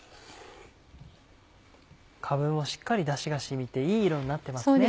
かぶもしっかりだしが染みていい色になってますね。